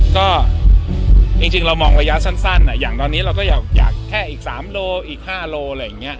ก็จริงเรามองระยะสั้นอย่างตอนนี้เราก็อยากแค่อีก๓โลอีก๕โลอะไรอย่างนี้